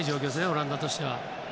オランダとしては。